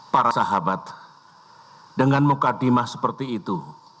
para sahabat dengan muka dimah seperti itu